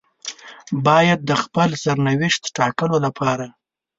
بايد د خپل سرنوشت ټاکلو لپاره.